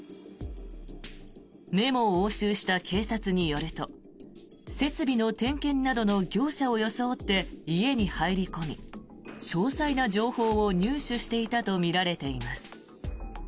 メモを押収した警察によると設備の点検などの業者を装って家に入り込み詳細な情報を入手していたとみられています。